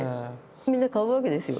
みんな買うわけですよ。